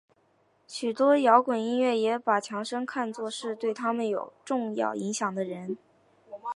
许多摇滚音乐人也把强生看作是对他们有重要影响的人。